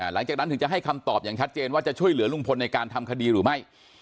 หลังจากนั้นถึงจะให้คำตอบอย่างชัดเจนว่าจะช่วยเหลือลุงพลในการทำคดีหรือไม่